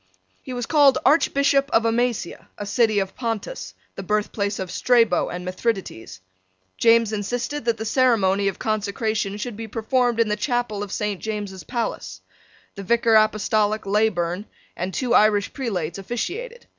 He was called Archbishop of Amasia, a city of Pontus, the birthplace of Strabo and Mithridates. James insisted that the ceremony of consecration should be performed in the chapel of Saint James's Palace. The Vicar Apostolic Leyburn and two Irish prelates officiated.